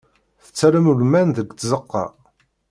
Tettalem ulman deg tzeqqa.